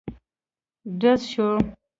ډز شو.